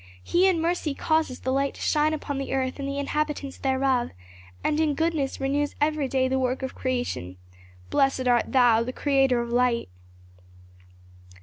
He in mercy causes the light to shine upon the earth and the inhabitants thereof, and in goodness renews every day the work of creation. Blessed art thou, the Creator of Light!